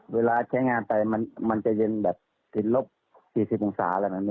เวลาใช้งานไปมันจะเย็นแบบ๔๐ปังศา